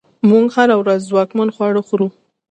موږ هره ورځ ځواکمن خواړه خورو.